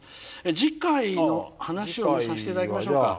次回の話をさせて頂きましょうか。